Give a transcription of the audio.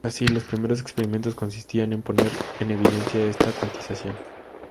Así, los primeros experimentos consistían en poner en evidencia esta cuantización.